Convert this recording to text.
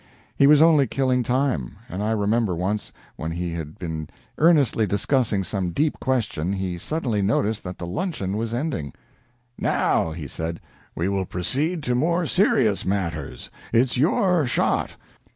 He was only killing time, and I remember once, when he had been earnestly discussing some deep question, he suddenly noticed that the luncheon was ending. "Now," he said, "we will proceed to more serious matters it's your shot."